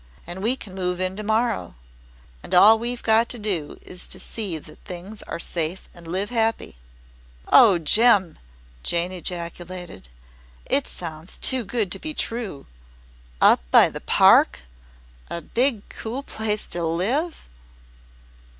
And we can move in to morrow. And all we've got to do is to see that things are safe and live happy." "Oh, Jem!" Jane ejaculated. "It sounds too good to be true! Up by the Park! A big cool place to live!"